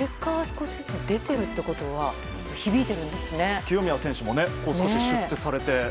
結果が少しずつ出てるってことは清宮選手も少しシュッとされて。